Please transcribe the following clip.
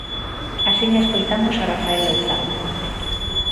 Axiña escoitamos a Rafael Louzán.